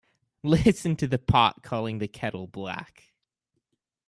Listen to the pot calling the kettle black.